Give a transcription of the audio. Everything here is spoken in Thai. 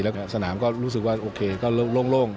แล้วก็สนามรู้สึกว่าโอเคร่ง